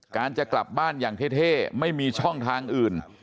การจะกลับบ้านอย่างเท่ไม่มีช่องทางอื่น